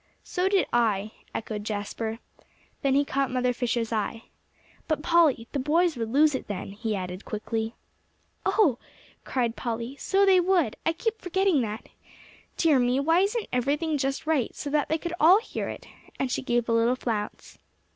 "So did I," echoed Jasper. Then he caught Mother Fisher's eye. "But, Polly, the boys would lose it then," he added quickly. "Oh!" cried Polly, "so they would; I keep forgetting that. Dear me! why isn't everything just right, so that they all could hear it?" And she gave a little flounce.